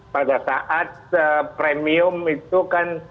pada saat premium itu kan